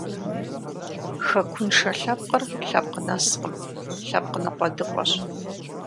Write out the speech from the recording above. Хэкуншэ лъэпкъыр лъэпкъ нэскъым, лъэпкъ ныкъуэдыкъуэщ.